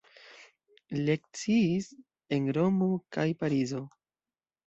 Lekciis en Romo kaj Parizo.